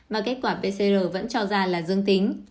mà kết quả pcr vẫn cho ra là dương tính